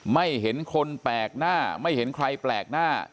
ไม่เห็นคนแปลกหน้าไม่เห็นใครแปลกหน้า